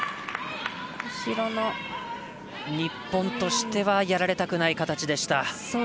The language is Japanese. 日本としてはやられたくない形でした。